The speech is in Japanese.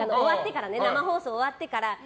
生放送終わってから。